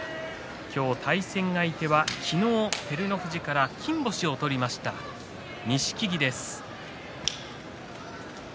今日、対戦相手は昨日、照ノ富士から金星を取りました錦木です。